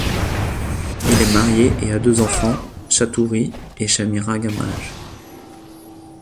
Il est marié et a deux enfants, Chaturi et Chamira Gamage.